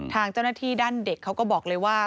ทางเจ้าหน้าที่ด้านเด็กเขาก็บอกเลยว่า